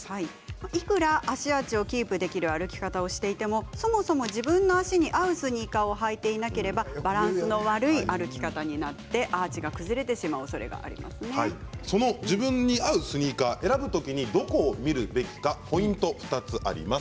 いくら足アーチをキープできる歩き方をしていてもそもそも自分の足に合うスニーカーを履いていなければバランスの悪い歩き方になってアーチが崩れてしまうおそれが自分に合うスニーカー選ぶときに、どこを見るべきかポイントは２つあります。